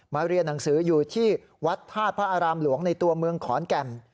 เรียนหนังสืออยู่ที่วัดธาตุพระอารามหลวงในตัวเมืองขอนแก่น